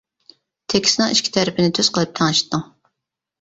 تېكىستنىڭ ئىككى تەرىپىنى تۈز قىلىپ تەڭشىتىڭ.